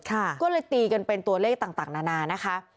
ก็เลยตีกันเป็นตัวเลขต่างนานานะคะ